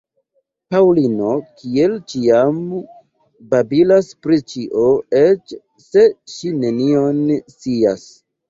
Paŭlino, kiel ĉiam, babilas pri ĉio, eĉ se ŝi nenion scias.